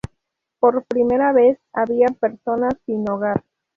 Por primera vez, había personas sin hogar.